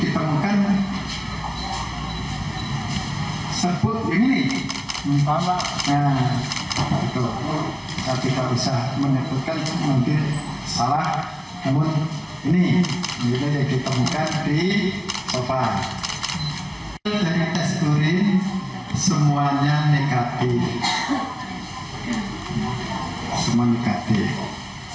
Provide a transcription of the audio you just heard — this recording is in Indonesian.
pemilik bnnp menemukan barang yang diduga di ruang kerja bupati bengkulu selatan